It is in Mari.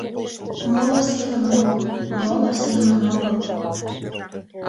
Моло семын огыл, моло семын огыл...